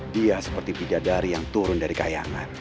dia seperti bidadari yang turun dari kayangan